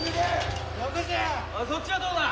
おいそっちはどうだ？